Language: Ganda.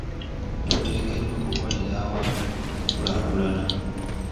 Tuteekeddwa okukolera awamu okukulaakulana.